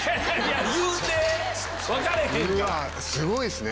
すごいっすね！